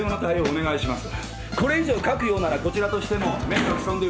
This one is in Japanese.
お願いします。